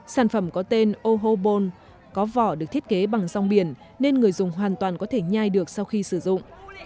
sản phẩm có tên ohobone có vỏ được thiết kế bằng dòng biển nên người dùng hoàn toàn có thể nhai được sau khi sử dụng